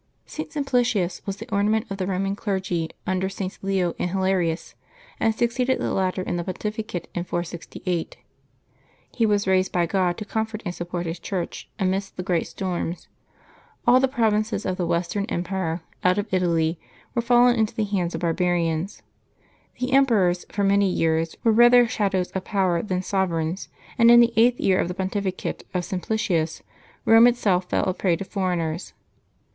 [t. Simplicius was the ornament of the Roman clergy under Sts. Leo and Hilarius, and succeeded the latter in the pontificate in 468. He was raised by God to com fort and support his Church amidst the greatest storms. All the provinces of the Western Empire, out of Italy, were fallen into the hands of barbarians. The emperors for many years were rather shadows of power than sov ereigns, and, in the eighth year of the pontificate of Simplicius, Eome itself fell a prey to foreigners.